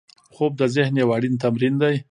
خوب د ذهن یو اړین تمرین دی